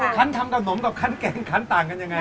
คันทำขนมกับคันแกงคันต่างกันยังไง